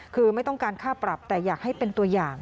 คือไม่ต้องการค่าปรับแต่อยากให้เป็นตัวอย่าง